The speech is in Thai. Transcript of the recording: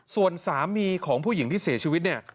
ส่วนสามีของผู้หญิงที่เสียชีวิตเนี่ย